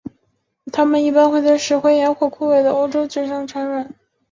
它们一般会在石灰岩或枯萎的欧洲蕨上产卵。